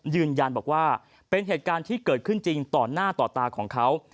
ยืนยันบอกว่าเป็นเหตุการณ์ที่เกิดขึ้นจริงต่อหน้าต่อตาของเขา